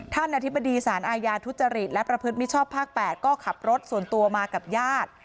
อธิบดีสารอาญาทุจริตและประพฤติมิชชอบภาค๘ก็ขับรถส่วนตัวมากับญาติ